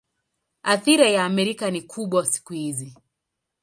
Athira ya Amerika ni kubwa siku hizi.